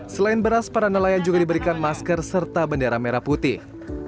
selain beras para nelayan juga diberikan masker serta bendera merah putih